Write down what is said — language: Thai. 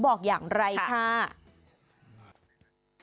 บอกอย่างไรค่ะเขามีบุญมีปารามีมี